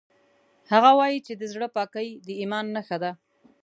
هغه وایي چې د زړه پاکۍ د ایمان نښه ده